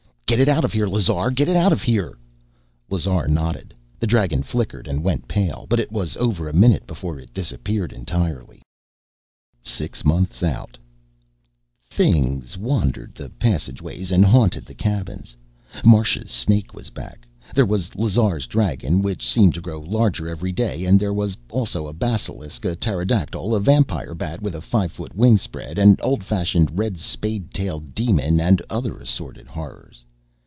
"Get it out of here, Lazar! Get it out of here!" Lazar nodded. The dragon flickered and went pale, but it was over a minute before it disappeared entirely. Six months out: Things wandered the passageways and haunted the cabins. Marsha's snake was back. There was Lazar's dragon, which seemed to grow larger every day. There was also a basilisk, a pterodactyl, a vampire bat with a five foot wingspread, an old fashioned red spade tailed demon and other assorted horrors.